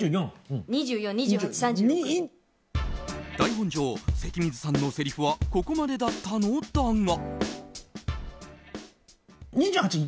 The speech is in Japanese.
台本上、関口さんのせりふはここまでだったのだが。